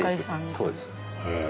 そうです。